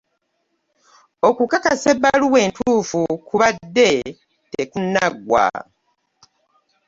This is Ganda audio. Okukakasa ebbaluwa entuufu kubadde tekunnaggwa.